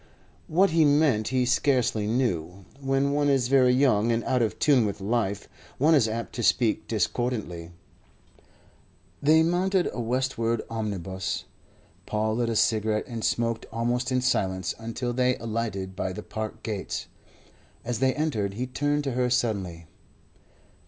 What he meant he scarcely knew. When one is very young and out of tune with life, one is apt to speak discordantly. They mounted a westward omnibus. Paul lit a cigarette and smoked almost in silence until they alighted by the Park gates. As they entered, he turned to her suddenly.